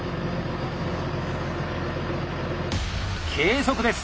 計測です。